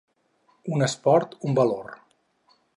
Un esport, un valor.